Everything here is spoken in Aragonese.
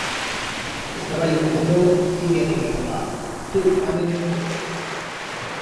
Estaba yo comendo y viene y me fa: tu, da-me-ne un poco!